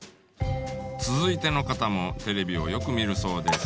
続いての方もテレビをよく見るそうです。